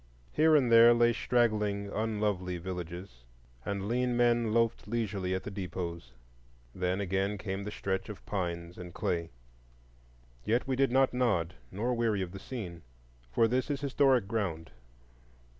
Here and there lay straggling, unlovely villages, and lean men loafed leisurely at the depots; then again came the stretch of pines and clay. Yet we did not nod, nor weary of the scene; for this is historic ground.